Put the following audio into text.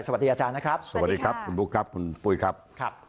สวัสดีอาจารย์นะครับสวัสดีครับคุณบุ๊คครับคุณปุ้ยครับครับ